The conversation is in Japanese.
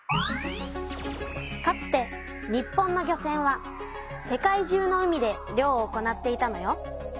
かつて日本の漁船は世界中の海で漁を行っていたのよ。